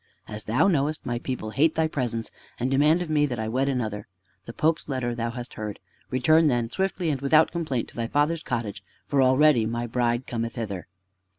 As thou knowest, my people hate thy presence, and demand of me that I wed another. The Pope's letter thou hast heard. Return then, swiftly and without complaint, to thy father's cottage, for already my bride cometh hither."